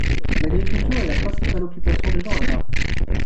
L’agriculture est la principale occupation des gens là-bas.